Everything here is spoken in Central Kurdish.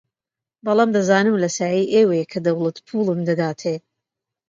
بەڵام دەزانم لە سایەی ئێوەیە کە دەوڵەت پووڵم دەداتێ